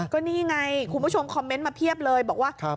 ก็นี่ไงคุณผู้ชมคอมเมนต์มาเพียบเลยบอกว่า